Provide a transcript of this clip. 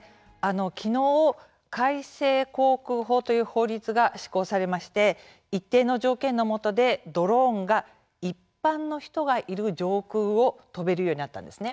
昨日、改正航空法という法律が施行されまして一定の条件のもとで、ドローンが一般の人がいる上空を飛べるようになったんですね。